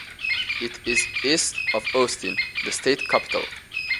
It is east of Austin, the state capital.